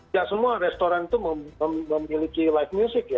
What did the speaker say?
ya semua restoran itu memiliki live music ya